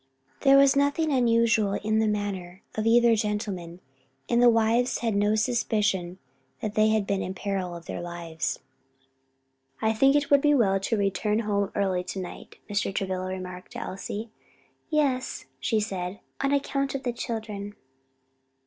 There was nothing unusual in the manner of either gentleman and the wives had no suspicion that they had been in peril of their lives. "I think it would be well to return home early to night," Mr. Travilla remarked to Elsie. "Yes," she said, "on account of the children."